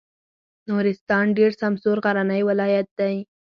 نورستان ډېر سمسور غرنی ولایت دی.